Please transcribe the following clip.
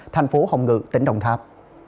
thành phố hồng ngự tỉnh đồng tháp